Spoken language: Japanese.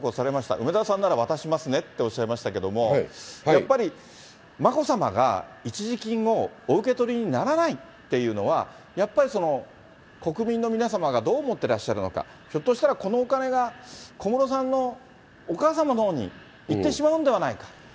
梅沢さんなら渡しますねっておっしゃいましたけれども、やっぱり眞子さまが、一時金をお受け取りにならないっていうのは、やっぱりその国民の皆様がどう思ってらっしゃるのか、ひょっとしたら、このお金が小室さんのお母様のほうに行ってしまうんではないか。